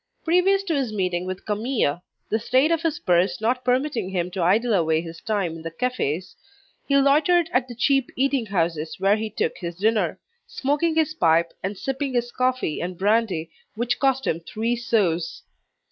Previous to his meeting with Camille, the state of his purse not permitting him to idle away his time in the cafes, he loitered at the cheap eating houses where he took his dinner, smoking his pipe and sipping his coffee and brandy which cost him three sous.